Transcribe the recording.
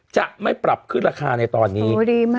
จะไม่ปรับขึ้นราคาในตอนนี้